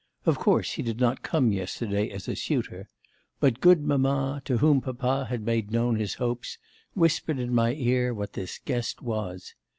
Of course he did not come yesterday as a suitor. But good mamma, to whom papa had made known his hopes, whispered in my ear what this guest was.